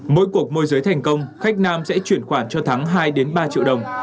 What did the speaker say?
mỗi cuộc môi giới thành công khách nam sẽ chuyển khoản cho thắng hai ba triệu đồng